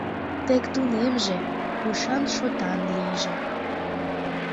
Тек тунемже, ушан-шотан лийже.